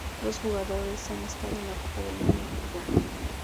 Dos jugadores han estado en la Copa del Mundo de fútbol.